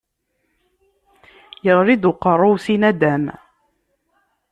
Iɣli-d uqerru-w si naddam.